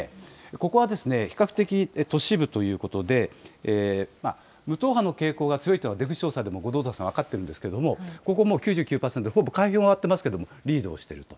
ここは比較的都市部ということで、無党派の傾向が強いというのは、出口調査でも後藤田さん、分かっているんですけれども、ここ、９９％、ほぼ開票が終わっていますけれども、リードをしてると。